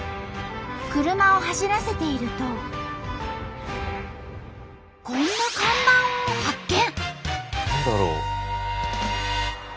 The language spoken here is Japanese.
車を走らせているとこんな看板を発見！